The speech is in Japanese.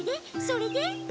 それで？